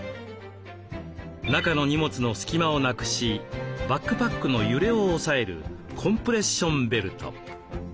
中の荷物の隙間をなくしバックパックの揺れを抑えるコンプレッションベルト。